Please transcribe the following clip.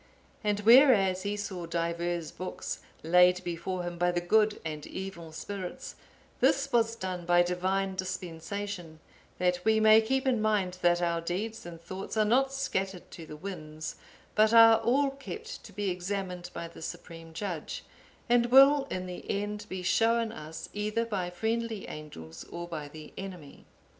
And whereas he saw diverse books laid before him by the good and evil spirits, this was done by Divine dispensation, that we may keep in mind that our deeds and thoughts are not scattered to the winds, but are all kept to be examined by the Supreme Judge, and will in the end be shown us either by friendly angels or by the enemy.